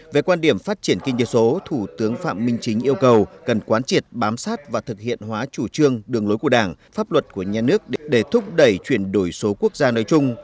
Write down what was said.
về quan điểm phát triển kinh tế số thủ tướng phạm minh chính yêu cầu cần quán triệt bám sát và thực hiện hóa chủ trương đường lối của đảng pháp luật của nhà nước để thúc đẩy chuyển đổi số quốc gia nơi chung